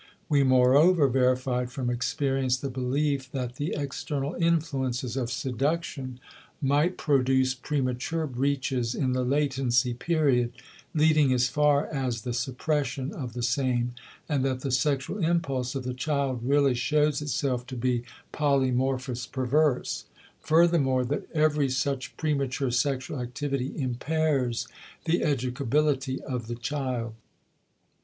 We, moreover, verified from experience the belief that the external influences of seduction, might produce premature breaches in the latency period leading as far as the suppression of the same, and that the sexual impulse of the child really shows itself to be polymorphous perverse; furthermore, that every such premature sexual activity impairs the educability of the child.